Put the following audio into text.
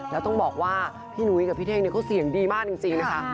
แล้วต้องบอกว่าพี่หนุ้ยกับพี่เท่งเขาเสียงดีมากจริงนะคะ